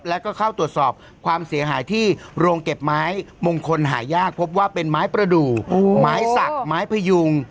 แล้วก็เข้าตรวจสอบความเสียหายที่โรงเก็บไม้มงคลหายากพบว่าเป็นไม้ประดูกไม้สักไม้พยุง